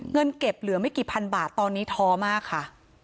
เงินเก็บเหลือไม่กี่พันบาทตอนนี้ท้อมากค่ะ